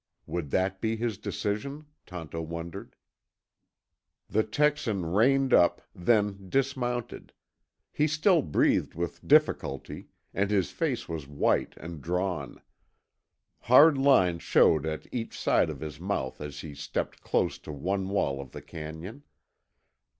Would that be his decision? Tonto wondered. The Texan reined up, then dismounted. He still breathed with difficulty, and his face was white and drawn. Hard lines showed at each side of his mouth as he stepped close to one wall of the canyon.